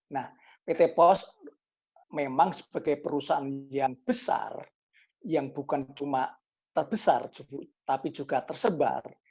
nah pt pos memang sebagai perusahaan yang besar yang bukan cuma terbesar tapi juga tersebar